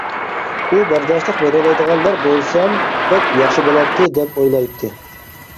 ئۇ: بەرداشلىق بېرەلەيدىغانلار بولسام بەك ياخشى بولاتتى، دەپ ئويلايتتى.